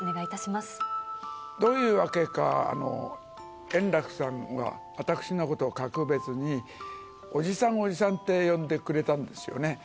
まどういうわけか、円楽さんは私のことを格別におじさん、おじさんって呼んでくれたんですよね。